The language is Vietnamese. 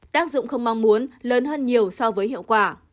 tác dụng không mong muốn lớn hơn nhiều so với hiệu quả